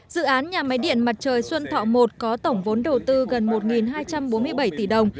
dự án nhà máy điện mặt trời xuân thọ một có tổng vốn đầu tư gần một hai trăm bốn mươi bảy tỷ đồng